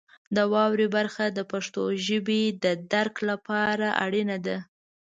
د واورئ برخه د پښتو ژبې د درک لپاره اړین دی.